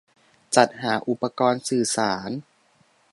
-จัดหาอุปกรณ์สื่อสาร